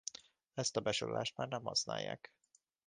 Ezt a besorolást már nem használják.